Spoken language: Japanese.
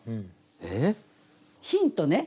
えっ？ヒントね。